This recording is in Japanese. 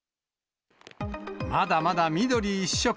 まだまだ緑一色。